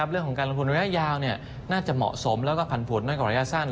เรื่องของการลงทุนระยะยาวน่าจะเหมาะสมและพันธุ์ผุดง่ายกับระยะสั้น